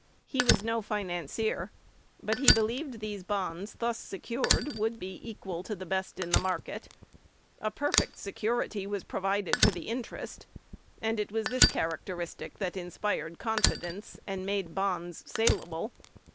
He was no financier; but he believed these bonds thus secured would be equal to the best in market. A perfect security was provided for the interest; and it was this characteristic that inspired confidence, and made bonds salable.